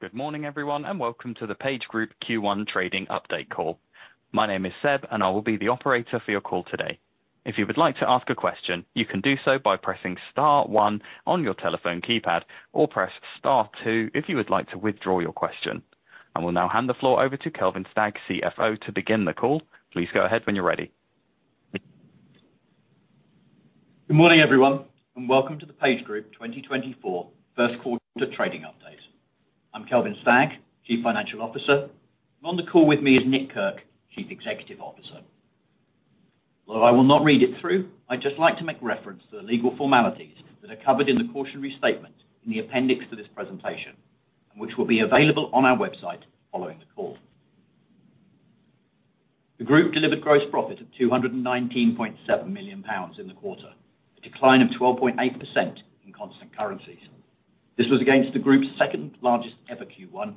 Good morning, everyone, and welcome to the PageGroup Q1 Trading Update Call. My name is Seb, and I will be the operator for your call today. If you would like to ask a question, you can do so by pressing *1 on your telephone keypad, or press *2 if you would like to withdraw your question. I will now hand the floor over to Kelvin Stagg, CFO, to begin the call. Please go ahead when you're ready. Good morning, everyone, and welcome to the PageGroup 2024 First Quarter Trading Update. I'm Kelvin Stagg, Chief Financial Officer, and on the call with me is Nick Kirk, Chief Executive Officer. Although I will not read it through, I'd just like to make reference to the legal formalities that are covered in the cautionary statement in the appendix to this presentation, and which will be available on our website following the call. The group delivered gross profit of 219.7 million pounds in the quarter, a decline of 12.8% in constant currencies. This was against the group's second-largest ever Q1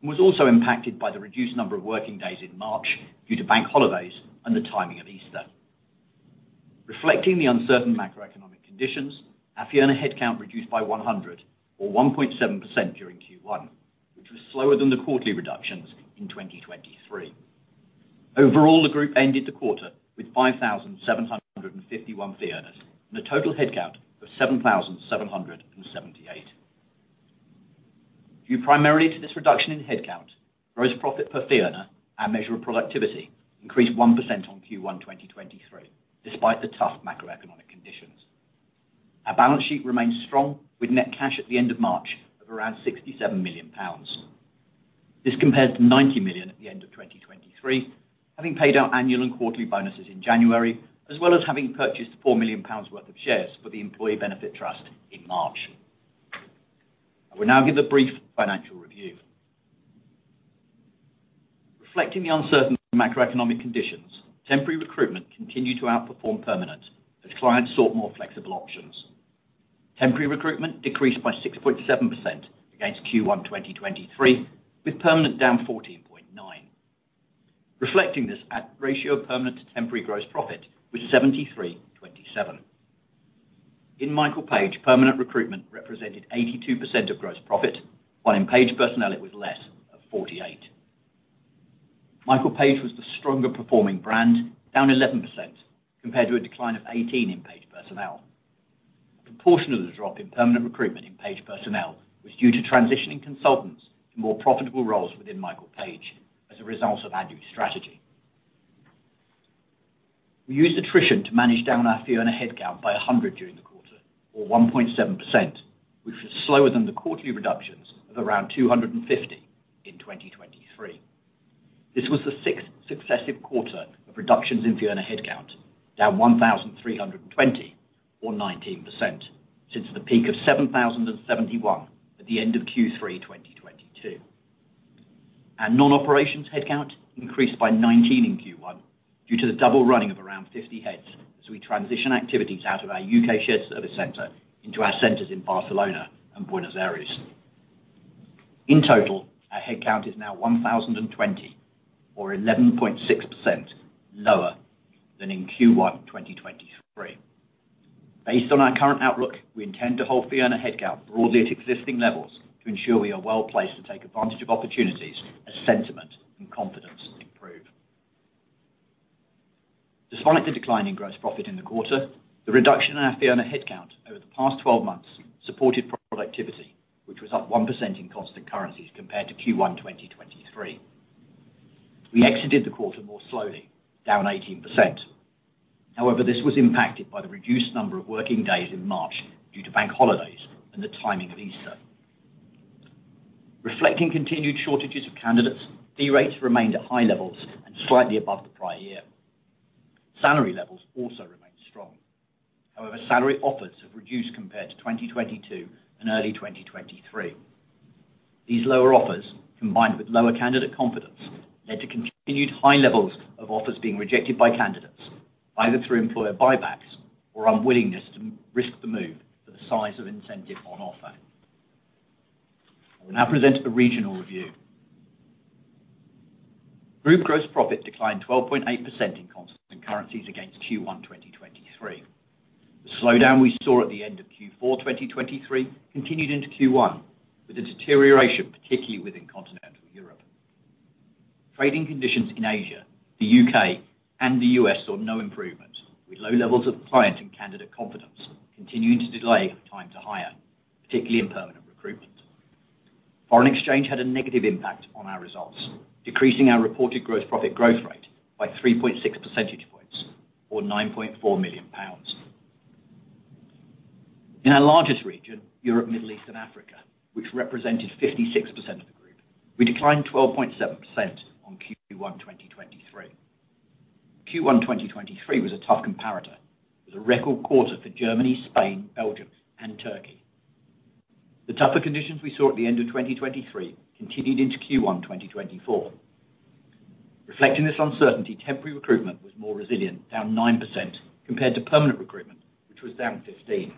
and was also impacted by the reduced number of working days in March due to bank holidays and the timing of Easter. Reflecting the uncertain macroeconomic conditions, our fee earner headcount reduced by 100, or 1.7% during Q1, which was slower than the quarterly reductions in 2023. Overall, the group ended the quarter with 5,751 fee earners, and a total headcount of 7,778. Due primarily to this reduction in headcount, gross profit per fee earner, our measure of productivity, increased 1% on Q1 2023 despite the tough macroeconomic conditions. Our balance sheet remained strong, with net cash at the end of March of around GBP 67 million. This compared to GBP 90 million at the end of 2023, having paid out annual and quarterly bonuses in January, as well as having purchased 4 million pounds worth of shares for the Employee Benefit Trust in March. I will now give a brief financial review. Reflecting the uncertain macroeconomic conditions, temporary recruitment continued to outperform permanent as clients sought more flexible options. Temporary recruitment decreased by 6.7% against Q1 2023, with permanent down 14.9%. Reflecting this ratio, permanent to temporary gross profit was 73/27. In Michael Page, permanent recruitment represented 82% of gross profit, while in Page Personnel it was less, of 48%. Michael Page was the stronger performing brand, down 11%, compared to a decline of 18% in Page Personnel. A proportion of the drop in permanent recruitment in Page Personnel was due to transitioning consultants to more profitable roles within Michael Page as a result of our new strategy. We used attrition to manage down our fee earner headcount by 100 during the quarter, or 1.7%, which was slower than the quarterly reductions of around 250 in 2023. This was the sixth successive quarter of reductions in fee earner headcount, down 1,320, or 19%, since the peak of 7,071 at the end of Q3 2022. Our non-operations headcount increased by 19 in Q1 due to the double running of around 50 heads as we transition activities out of our U.K. shared service center into our centers in Barcelona and Buenos Aires. In total, our headcount is now 1,020, or 11.6% lower than in Q1 2023. Based on our current outlook, we intend to hold fee earner headcount broadly at existing levels to ensure we are well placed to take advantage of opportunities as sentiment and confidence improve. Despite the declining gross profit in the quarter, the reduction in our fee earner headcount over the past 12 months supported productivity, which was up 1% in constant currencies compared to Q1 2023. We exited the quarter more slowly, down 18%. However, this was impacted by the reduced number of working days in March due to bank holidays and the timing of Easter. Reflecting continued shortages of candidates, fee rates remained at high levels and slightly above the prior year. Salary levels also remained strong. However, salary offers have reduced compared to 2022 and early 2023. These lower offers, combined with lower candidate confidence, led to continued high levels of offers being rejected by candidates, either through employer buybacks or unwillingness to risk the move for the size of incentive on offer. I will now present the regional review. Group gross profit declined 12.8% in constant currencies against Q1 2023. The slowdown we saw at the end of Q4 2023 continued into Q1, with a deterioration, particularly within continental Europe. Trading conditions in Asia, the U.K., and the U.S. saw no improvement, with low levels of client and candidate confidence continuing to delay time to hire, particularly in permanent recruitment. Foreign exchange had a negative impact on our results, decreasing our reported gross profit growth rate by 3.6 percentage points, or 9.4 million pounds. In our largest region, Europe, Middle East, and Africa, which represented 56% of the group, we declined 12.7% on Q1 2023. Q1 2023 was a tough comparator, with a record quarter for Germany, Spain, Belgium, and Turkey. The tougher conditions we saw at the end of 2023 continued into Q1 2024. Reflecting this uncertainty, temporary recruitment was more resilient, down 9%, compared to permanent recruitment, which was down 15%.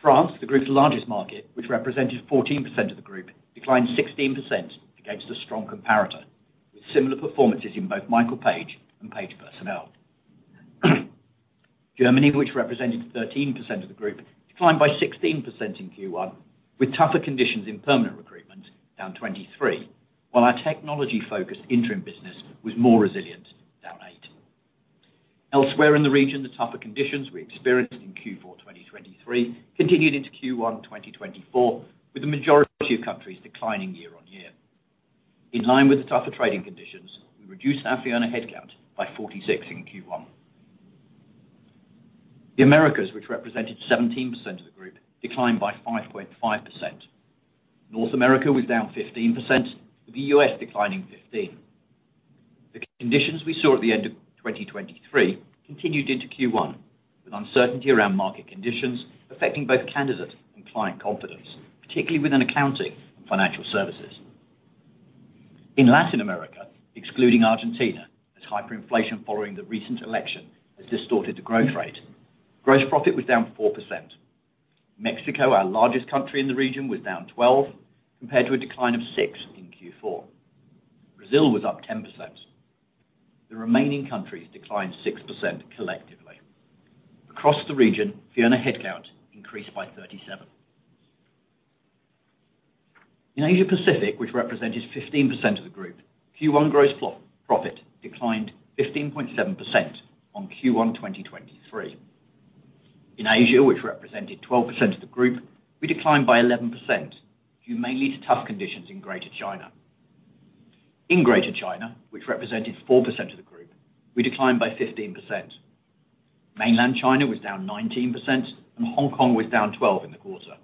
France, the group's largest market, which represented 14% of the group, declined 16% against a strong comparator, with similar performances in both Michael Page and Page Personnel. Germany, which represented 13% of the group, declined by 16% in Q1, with tougher conditions in permanent recruitment, down 23%, while our technology-focused interim business was more resilient, down 8%. Elsewhere in the region, the tougher conditions we experienced in Q4 2023 continued into Q1 2024, with the majority of countries declining year-on-year. In line with the tougher trading conditions, we reduced our fee earner headcount by 46% in Q1. The Americas, which represented 17% of the group, declined by 5.5%. North America was down 15%, with the U.S. declining 15%. The conditions we saw at the end of 2023 continued into Q1, with uncertainty around market conditions affecting both candidate and client confidence, particularly within accounting and financial services. In Latin America, excluding Argentina, as hyperinflation following the recent election has distorted the growth rate, gross profit was down 4%. Mexico, our largest country in the region, was down 12%, compared to a decline of 6% in Q4. Brazil was up 10%. The remaining countries declined 6% collectively. Across the region, fee earner headcount increased by 37%. In Asia Pacific, which represented 15% of the group, Q1 gross profit declined 15.7% on Q1 2023. In Asia, which represented 12% of the group, we declined by 11%, due mainly to tough conditions in Greater China. In Greater China, which represented 4% of the group, we declined by 15%. Mainland China was down 19%, and Hong Kong was down 12% in the quarter.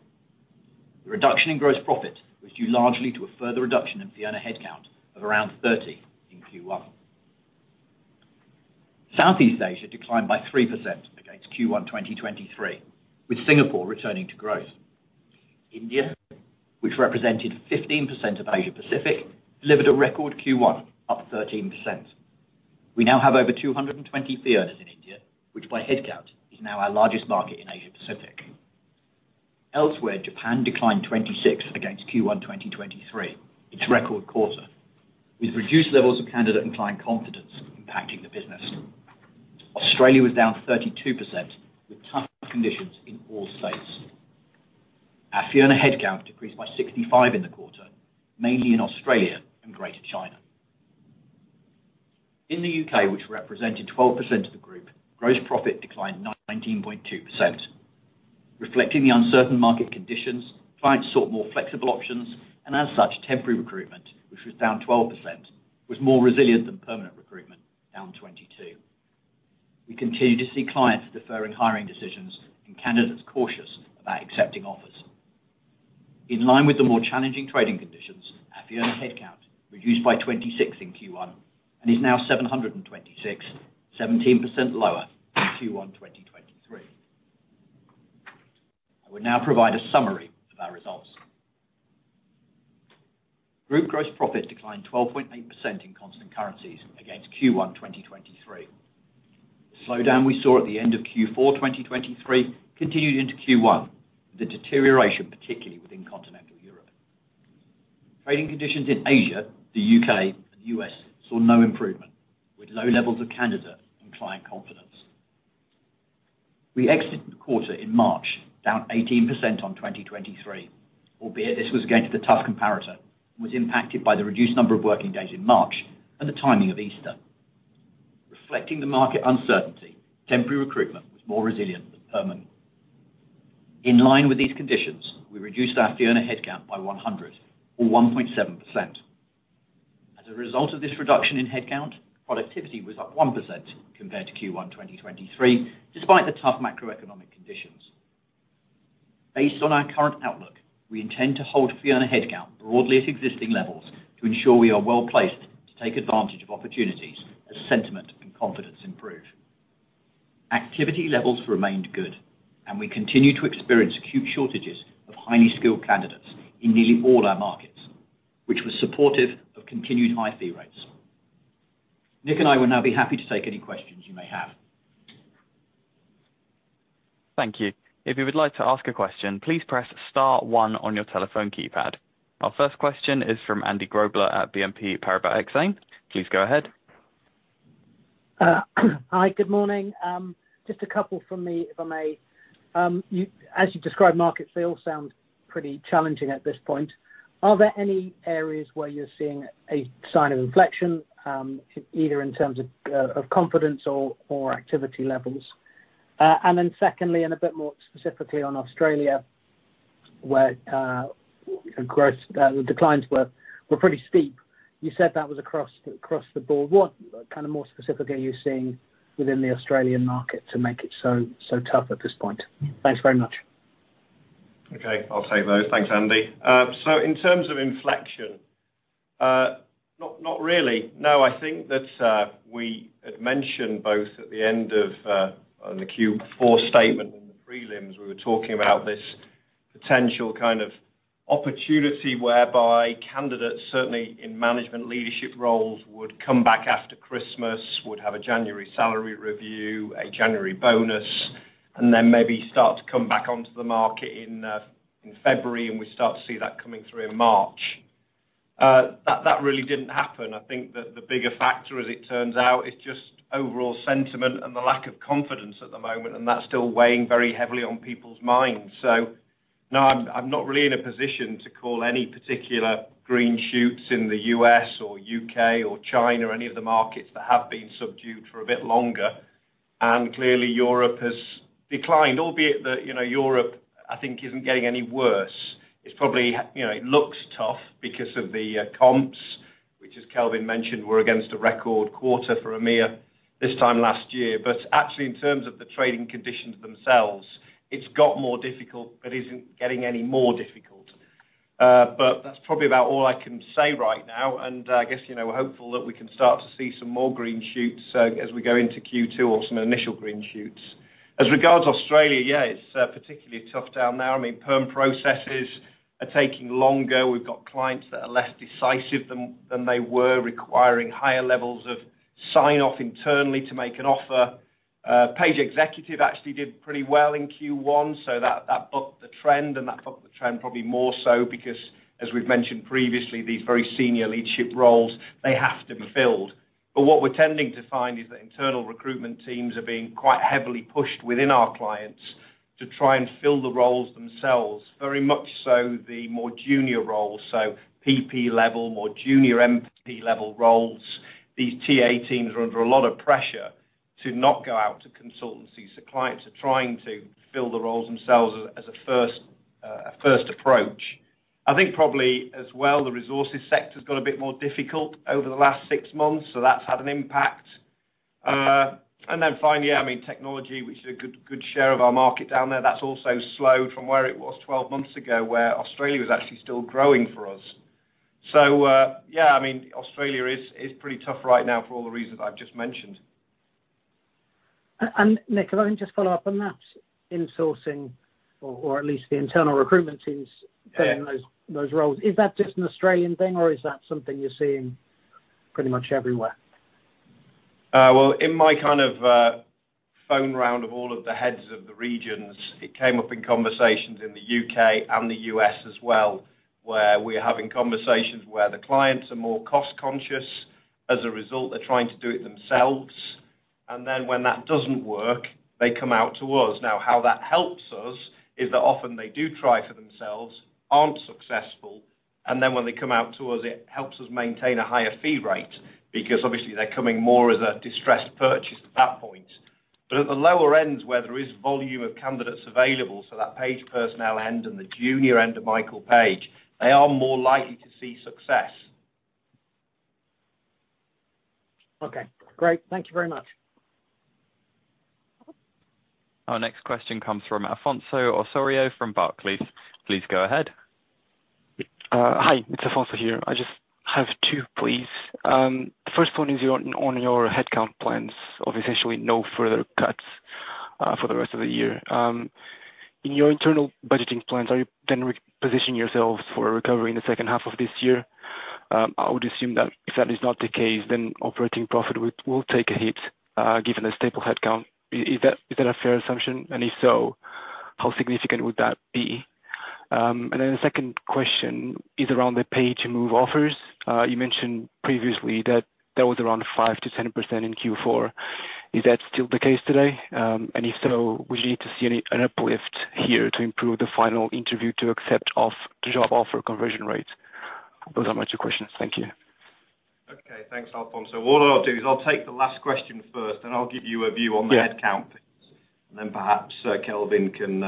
The reduction in gross profit was due largely to a further reduction in fee earner headcount of around 30% in Q1. Southeast Asia declined by 3% against Q1 2023, with Singapore returning to growth. India, which represented 15% of Asia Pacific, delivered a record Q1, up 13%. We now have over 220 fee earners in India, which by headcount is now our largest market in Asia Pacific. Elsewhere, Japan declined 26% against Q1 2023, its record quarter, with reduced levels of candidate and client confidence impacting the business. Australia was down 32%, with tough conditions in all states. Our fee earner headcount decreased by 65% in the quarter, mainly in Australia and Greater China. In the U.K., which represented 12% of the group, gross profit declined 19.2%. Reflecting the uncertain market conditions, clients sought more flexible options, and as such, temporary recruitment, which was down 12%, was more resilient than permanent recruitment, down 22%. We continue to see clients deferring hiring decisions and candidates cautious about accepting offers. In line with the more challenging trading conditions, our fee earner headcount reduced by 26% in Q1 and is now 726, 17% lower than Q1 2023. I will now provide a summary of our results. Group gross profit declined 12.8% in constant currencies against Q1 2023. The slowdown we saw at the end of Q4 2023 continued into Q1, with a deterioration, particularly within continental Europe. Trading conditions in Asia, the U.K., and the U.S. saw no improvement, with low levels of candidate and client confidence. We exited the quarter in March, down 18% on 2023, albeit this was against a tough comparator and was impacted by the reduced number of working days in March and the timing of Easter. Reflecting the market uncertainty, temporary recruitment was more resilient than permanent. In line with these conditions, we reduced our fee earner headcount by 100, or 1.7%. As a result of this reduction in headcount, productivity was up 1% compared to Q1 2023, despite the tough macroeconomic conditions. Based on our current outlook, we intend to hold fee earner headcount broadly at existing levels to ensure we are well placed to take advantage of opportunities as sentiment and confidence improve. Activity levels remained good, and we continue to experience acute shortages of highly skilled candidates in nearly all our markets, which was supportive of continued high fee rates. Nick and I will now be happy to take any questions you may have. Thank you. If you would like to ask a question, please press Star 1 on your telephone keypad. Our first question is from Andy Grobler at BNP Paribas Exane. Please go ahead. Hi. Good morning. Just a couple from me, if I may. As you describe markets, they all sound pretty challenging at this point. Are there any areas where you're seeing a sign of inflection, either in terms of confidence or activity levels? And then secondly, a bit more specifically on Australia, where the declines were pretty steep, you said that was across the board. What kind of – more specifically – are you seeing within the Australian market to make it so tough at this point? Thanks very much. Okay. I'll take those. Thanks, Andy. So in terms of inflection, not, not really. No, I think that, we had mentioned both at the end of, on the Q4 statement and the prelims, we were talking about this potential kind of opportunity whereby candidates, certainly in management leadership roles, would come back after Christmas, would have a January salary review, a January bonus, and then maybe start to come back onto the market in, in February, and we start to see that coming through in March. That, that really didn't happen. I think that the bigger factor, as it turns out, is just overall sentiment and the lack of confidence at the moment, and that's still weighing very heavily on people's minds. So no, I'm not really in a position to call any particular green shoots in the U.S. or U.K. or China, any of the markets that have been subdued for a bit longer. And clearly, Europe has declined, albeit that, you know, Europe, I think, isn't getting any worse. It's probably, you know, it looks tough because of the comps, which, as Kelvin mentioned, were against a record quarter for EMEA this time last year. But actually, in terms of the trading conditions themselves, it's got more difficult but isn't getting any more difficult. But that's probably about all I can say right now. And, I guess, you know, we're hopeful that we can start to see some more green shoots, as we go into Q2 or some initial green shoots. As regards Australia, yeah, it's particularly tough down under now. I mean, perm processes are taking longer. We've got clients that are less decisive than they were, requiring higher levels of sign-off internally to make an offer. Page Executive actually did pretty well in Q1, so that bucked the trend, and that bucked the trend probably more so because, as we've mentioned previously, these very senior leadership roles, they have to be filled. But what we're tending to find is that internal recruitment teams are being quite heavily pushed within our clients to try and fill the roles themselves, very much so the more junior roles, so PP level, more junior MP level roles. These TA teams are under a lot of pressure to not go out to consultancies. So clients are trying to fill the roles themselves as a first approach. I think probably as well, the resources sector's got a bit more difficult over the last six months, so that's had an impact. Then, finally, I mean, technology, which is a good share of our market down there, that's also slowed from where it was 12 months ago, where Australia was actually still growing for us. So, yeah, I mean, Australia is pretty tough right now for all the reasons I've just mentioned. Nick, if I can just follow up on that. Insourcing or at least the internal recruitment teams filling those roles, is that just an Australian thing, or is that something you're seeing pretty much everywhere? Well, in my kind of phone round of all of the heads of the regions, it came up in conversations in the U.K. and the U.S. as well, where we are having conversations where the clients are more cost-conscious. As a result, they're trying to do it themselves. And then when that doesn't work, they come out to us. Now, how that helps us is that often they do try for themselves, aren't successful, and then when they come out to us, it helps us maintain a higher fee rate because, obviously, they're coming more as a distressed purchase at that point. But at the lower ends, where there is volume of candidates available, so that Page Personnel end and the junior end of Michael Page, they are more likely to see success. Okay. Great. Thank you very much. Our next question comes from Alfonso Osorio from Barclays. Please go ahead. Hi. It's Alfonso here. I just have two, please. The first one is on your headcount plans of essentially no further cuts for the rest of the year. In your internal budgeting plans, are you then repositioning yourselves for recovery in the second half of this year? I would assume that if that is not the case, then operating profit will take a hit, given a stable headcount. Is that a fair assumption? And if so, how significant would that be? And then the second question is around the PageGroup offers. You mentioned previously that that was around 5%-10% in Q4. Is that still the case today? And if so, would you need to see any uplift here to improve the final interview to acceptance of the job offer conversion rate? Those are my two questions. Thank you. Okay. Thanks, Alfonso. What I'll do is I'll take the last question first, and I'll give you a view on the headcount piece. And then perhaps, Kelvin can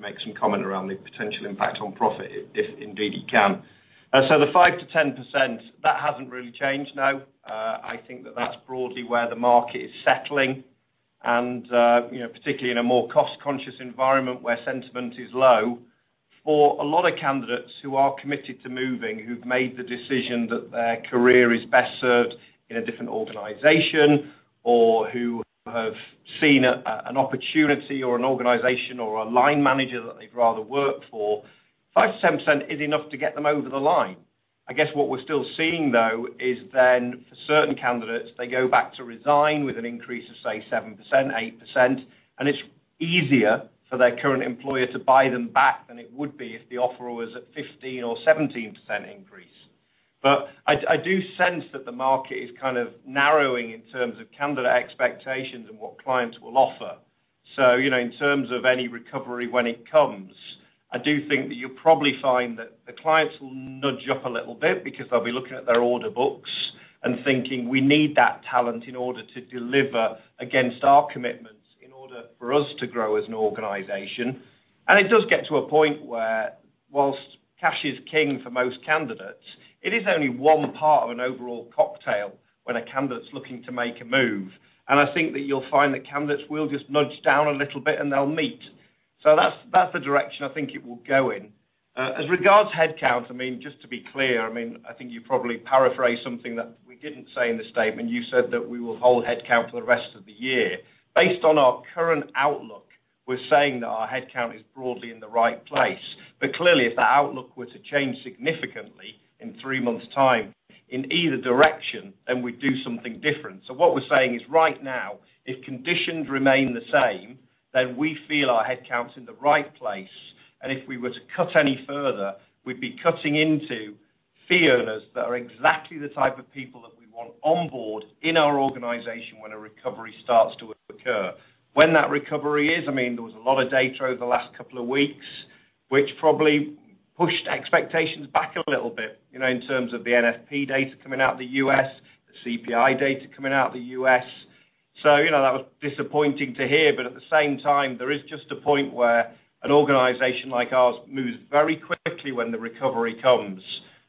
make some comment around the potential impact on profit, if indeed he can. So the 5%-10%, that hasn't really changed, no. I think that's broadly where the market is settling. And, you know, particularly in a more cost-conscious environment where sentiment is low, for a lot of candidates who are committed to moving, who've made the decision that their career is best served in a different organization or who have seen an opportunity or an organization or a line manager that they've rather worked for, 5%-10% is enough to get them over the line. I guess what we're still seeing, though, is then for certain candidates, they go back to resign with an increase of, say, 7%, 8%, and it's easier for their current employer to buy them back than it would be if the offer was at 15% or 17% increase. But I do sense that the market is kind of narrowing in terms of candidate expectations and what clients will offer. So, you know, in terms of any recovery when it comes, I do think that you'll probably find that the clients will nudge up a little bit because they'll be looking at their order books and thinking, "We need that talent in order to deliver against our commitments in order for us to grow as an organization." And it does get to a point where, whilst cash is king for most candidates, it is only one part of an overall cocktail when a candidate's looking to make a move. And I think that you'll find that candidates will just nudge down a little bit, and they'll meet. So that's, that's the direction I think it will go in. As regards headcount, I mean, just to be clear, I mean, I think you probably paraphrased something that we didn't say in the statement. You said that we will hold headcount for the rest of the year. Based on our current outlook, we're saying that our headcount is broadly in the right place. But clearly, if that outlook were to change significantly in three months' time in either direction, then we'd do something different. So what we're saying is right now, if conditions remain the same, then we feel our headcount's in the right place. And if we were to cut any further, we'd be cutting into fee earners that are exactly the type of people that we want onboard in our organization when a recovery starts to occur. When that recovery is, I mean, there was a lot of data over the last couple of weeks, which probably pushed expectations back a little bit, you know, in terms of the NFP data coming out of the U.S., the CPI data coming out of the U.S. So, you know, that was disappointing to hear. But at the same time, there is just a point where an organization like ours moves very quickly when the recovery comes.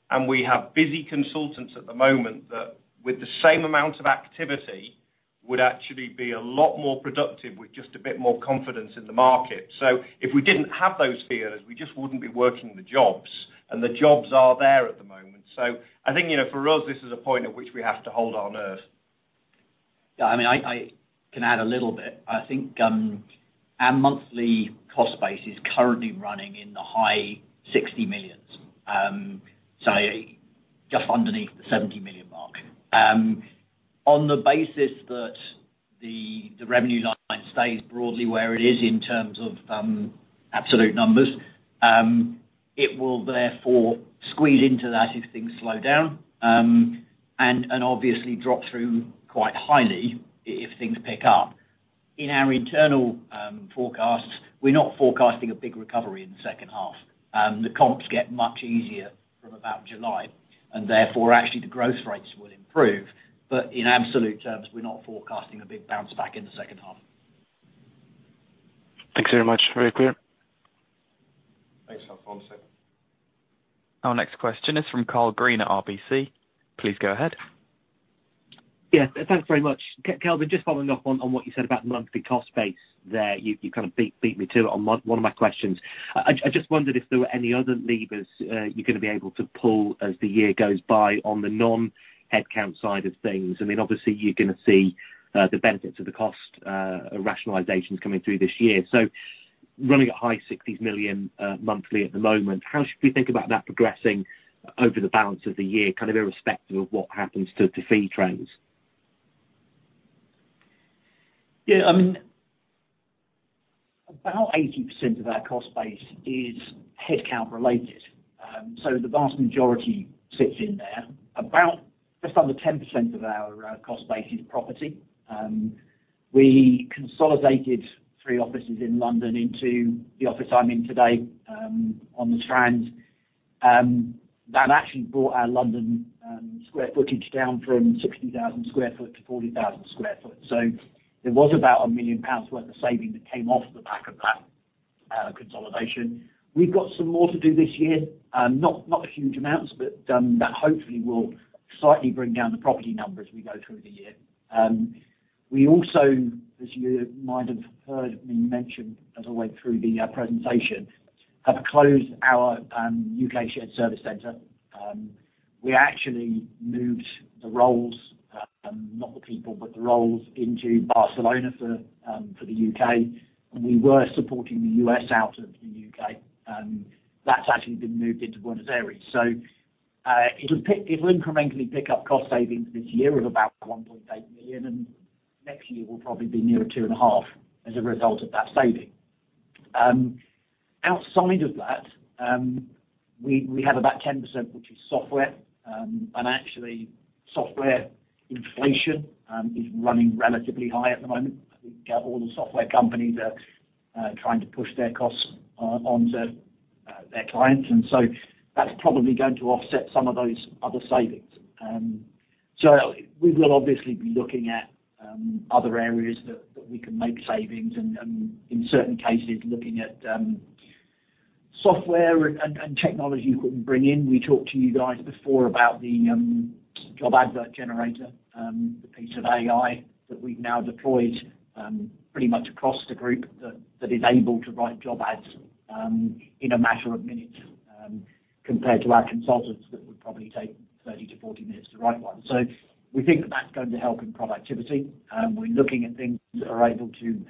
And we have busy consultants at the moment that, with the same amount of activity, would actually be a lot more productive with just a bit more confidence in the market. So if we didn't have those fee earners, we just wouldn't be working the jobs. And the jobs are there at the moment. So I think, you know, for us, this is a point at which we have to hold our nose. Yeah. I mean, I can add a little bit. I think our monthly cost base is currently running in the high 60 millions, so just underneath the 70 million mark. On the basis that the revenue line stays broadly where it is in terms of absolute numbers, it will therefore squeeze into that if things slow down, and obviously drop through quite highly if things pick up. In our internal forecasts, we're not forecasting a big recovery in the second half. The comps get much easier from about July, and therefore, actually, the growth rates will improve. But in absolute terms, we're not forecasting a big bounce back in the second half. Thanks very much. Very clear. Thanks, Alfonso. Our next question is from Karl Green at RBC. Please go ahead. Yeah. Thanks very much. Kelvin, just following up on what you said about the monthly cost base there. You kind of beat me to it on one of my questions. I just wondered if there were any other levers you're gonna be able to pull as the year goes by on the non-headcount side of things. I mean, obviously, you're gonna see the benefits of the cost rationalizations coming through this year. So running at high 60 million monthly at the moment, how should we think about that progressing over the balance of the year, kind of irrespective of what happens to fee trends? Yeah. I mean, about 80% of our cost base is headcount-related. So the vast majority sits in there. About just under 10% of our cost base is property. We consolidated 3 offices in London into the office I'm in today, on the Strand. That actually brought our London square footage down from 60,000 sq ft to 40,000 sq ft. So there was about 1 million pounds worth of saving that came off the back of that consolidation. We've got some more to do this year, not huge amounts, but that hopefully will slightly bring down the property number as we go through the year. We also, as you might have heard me mention as I went through the presentation, have closed our U.K. shared service center. We actually moved the roles, not the people, but the roles into Barcelona for the U.K. We were supporting the U.S. out of the U.K. That's actually been moved into Buenos Aires. So, it'll incrementally pick up cost savings this year of about 1.8 million, and next year will probably be near 2.5 as a result of that saving. Outside of that, we have about 10%, which is software. Actually, software inflation is running relatively high at the moment. I think all the software companies are trying to push their costs onto their clients. So that's probably going to offset some of those other savings. We will obviously be looking at other areas that we can make savings and, in certain cases, looking at software and technology you can bring in. We talked to you guys before about the Job Advert Generator, the piece of AI that we've now deployed pretty much across the group that is able to write job ads in a matter of minutes, compared to our consultants that would probably take 30-40 minutes to write one. So we think that that's going to help in productivity. We're looking at things that are able to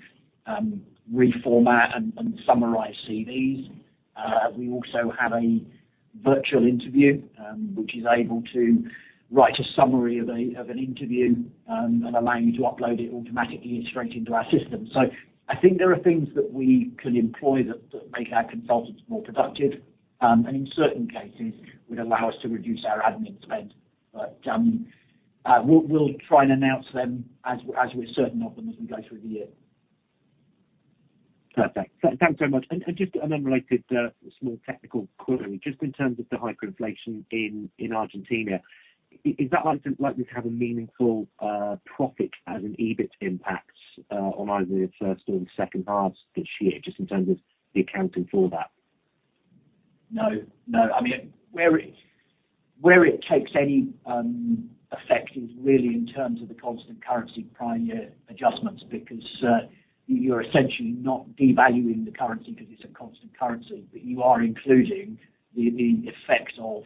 reformat and summarise CVs. We also have a Virtual Interview, which is able to write a summary of an interview, and allow you to upload it automatically straight into our system. So I think there are things that we can employ that make our consultants more productive, and in certain cases, would allow us to reduce our admin spend. But, we'll try and announce them as we're certain of them as we go through the year. Perfect. Thanks very much. And just a non-related, small technical query. Just in terms of the hyperinflation in Argentina, is that likely to have a meaningful, profit as an EBIT impact, on either the first or the second halves this year, just in terms of the accounting for that? No. No. I mean, where it takes any effect is really in terms of the constant currency-primary adjustments because you're essentially not devaluing the currency because it's a constant currency, but you are including the effects of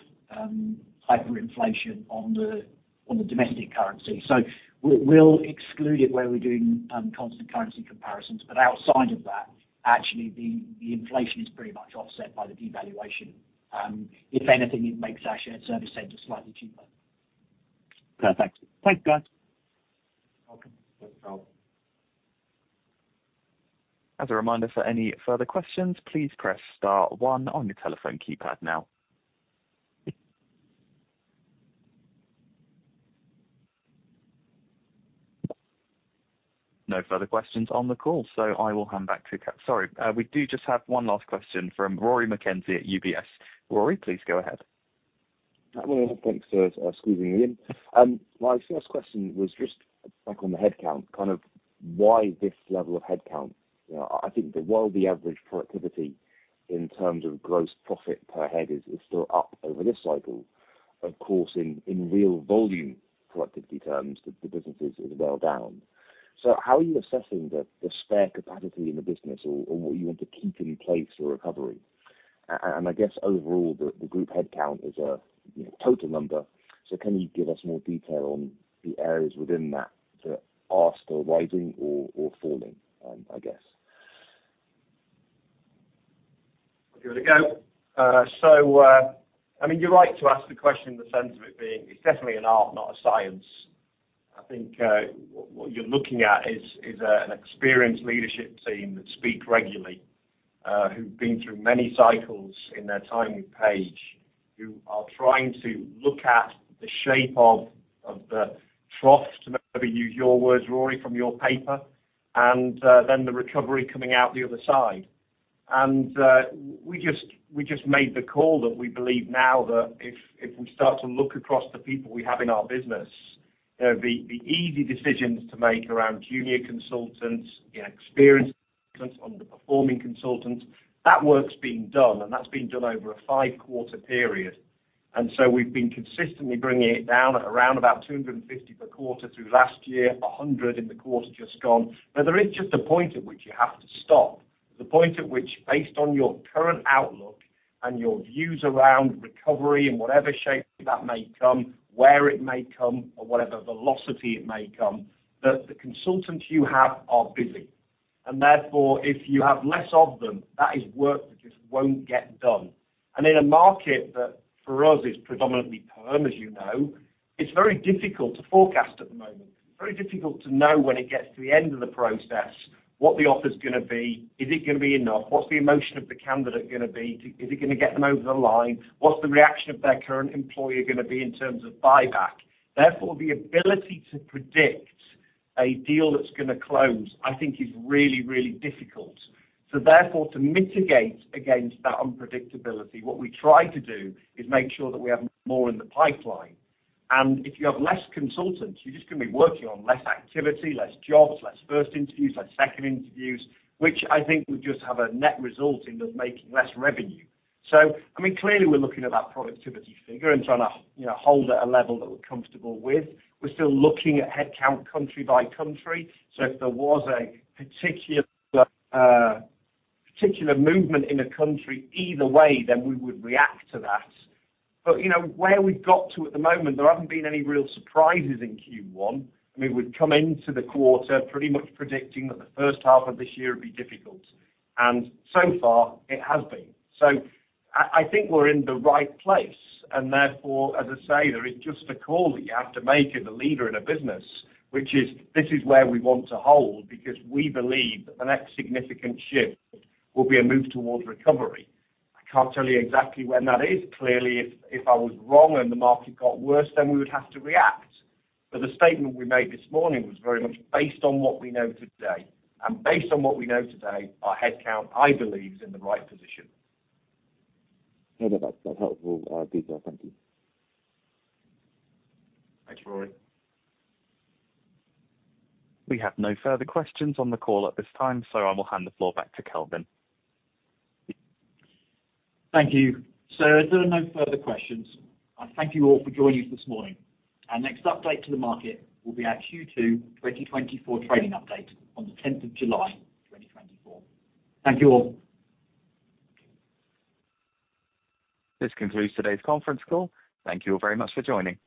hyperinflation on the domestic currency. So we'll exclude it where we're doing constant currency comparisons. But outside of that, actually, the inflation is pretty much offset by the devaluation. If anything, it makes our shared service center slightly cheaper. Perfect. Thanks, guys. You're welcome. Thanks, Charles. As a reminder, for any further questions, please press star 1 on your telephone keypad now. No further questions on the call, so I will hand back to Kelvin, sorry. We do just have one last question from Rory McKenzie at UBS. Rory, please go ahead. Well, thanks for squeezing me in. My first question was just back on the headcount, kind of why this level of headcount. You know, I think that while the average productivity in terms of gross profit per head is still up over this cycle, of course, in real volume productivity terms, the business is well down. So how are you assessing the spare capacity in the business or what you want to keep in place for recovery? And I guess overall, the group headcount is a, you know, total number. So can you give us more detail on the areas within that that are still rising or falling, I guess? If you want to go. So, I mean, you're right to ask the question in the sense of it being it's definitely an art, not a science. I think, what you're looking at is a experienced leadership team that speak regularly, who've been through many cycles in their time with Page, who are trying to look at the shape of the trough, to maybe use your words, Rory, from your paper, and we just made the call that we believe now that if we start to look across the people we have in our business, you know, the easy decisions to make around junior consultants, you know, experienced consultants, underperforming consultants, that work's been done. And that's been done over a five-quarter period. And so we've been consistently bringing it down at around about 250 per quarter through last year, 100 in the quarter just gone. But there is just a point at which you have to stop. There's a point at which, based on your current outlook and your views around recovery and whatever shape that may come, where it may come, or whatever velocity it may come, that the consultants you have are busy. And therefore, if you have less of them, that is work that just won't get done. And in a market that, for us, is predominantly perm, as you know, it's very difficult to forecast at the moment. It's very difficult to know when it gets to the end of the process what the offer's gonna be, is it gonna be enough, what's the emotion of the candidate gonna be to is it gonna get them over the line, what's the reaction of their current employer gonna be in terms of buyback. Therefore, the ability to predict a deal that's gonna close, I think, is really, really difficult. So therefore, to mitigate against that unpredictability, what we try to do is make sure that we have more in the pipeline. And if you have less consultants, you're just gonna be working on less activity, less jobs, less first interviews, less second interviews, which I think would just have a net result in us making less revenue. So, I mean, clearly, we're looking at that productivity figure and trying to, you know, hold at a level that we're comfortable with. We're still looking at headcount country by country. So if there was a particular movement in a country either way, then we would react to that. But, you know, where we've got to at the moment, there haven't been any real surprises in Q1. I mean, we'd come into the quarter pretty much predicting that the first half of this year would be difficult. And so far, it has been. So I, I think we're in the right place. And therefore, as I say, there is just a call that you have to make as a leader in a business, which is, "This is where we want to hold because we believe that the next significant shift will be a move towards recovery." I can't tell you exactly when that is. Clearly, if I was wrong and the market got worse, then we would have to react. But the statement we made this morning was very much based on what we know today. And based on what we know today, our headcount, I believe, is in the right position. Yeah. That's helpful detail. Thank you. Thanks, Rory. We have no further questions on the call at this time, so I will hand the floor back to Kelvin. Thank you. There are no further questions. I thank you all for joining us this morning. Our next update to the market will be our Q2 2024 trading update on the 10th of July 2024. Thank you all. This concludes today's conference call. Thank you all very much for joining.